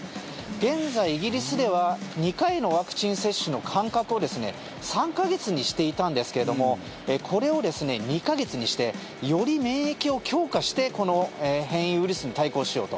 現在、イギリスでは２回のワクチン接種の間隔を３か月にしていたんですけれどもこれを２か月にしてより免疫を強化してこの変異ウイルスに対抗しようと。